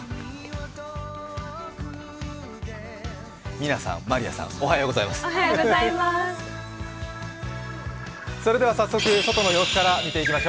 みなさん、まりあさん、おはようございます。